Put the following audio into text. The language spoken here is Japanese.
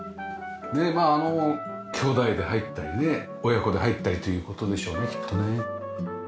まああのきょうだいで入ったりね親子で入ったりという事でしょうねきっとね。